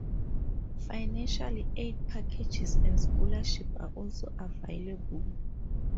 Financial aid packages and scholarships are also available.